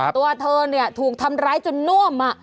ตัวเธอถูกทำร้ายจนน่วม